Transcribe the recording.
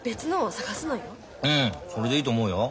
うんそれでいいと思うよ。